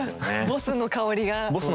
ボスの香りがする。